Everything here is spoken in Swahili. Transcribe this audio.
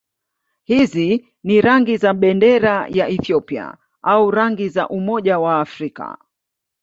Hizi ni rangi za bendera ya Ethiopia au rangi za Umoja wa Afrika.